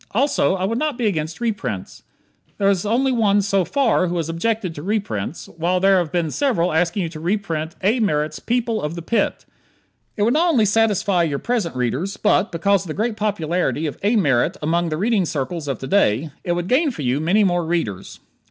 Also, I would not be against reprints. There is only one so far who has objected to reprints, while there have been several asking you to reprint A. Merritt's "People of the Pit." It would not only satisfy your present readers, but, because of the great popularity of A. Merritt among the reading circles of to day, it would gain for you many more readers.